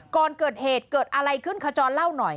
ก่อนเกิดเหตุเกิดอะไรขึ้นขจรเล่าหน่อย